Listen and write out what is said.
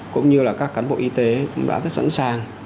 cũng như là các cán bộ y tế cũng đã rất sẵn sàng